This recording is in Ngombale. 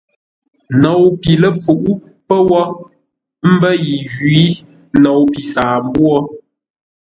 Nou pi ləpfuʼú pə́ wó, ə́ mbə́ yi jwǐ; nou pi saambwô.